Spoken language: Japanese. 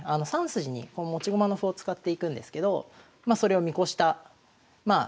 ３筋に持ち駒の歩を使っていくんですけどそれを見越したまあ